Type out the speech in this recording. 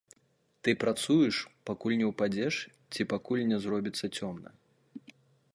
Ты працуеш, пакуль не ўпадзеш ці пакуль не зробіцца цёмна.